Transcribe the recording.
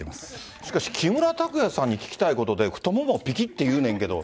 しかし、木村拓哉さんに聞きたいことで、太ももぴきっていうねんけど。